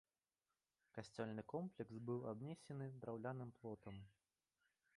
Касцёльны комплекс быў абнесены драўляным плотам.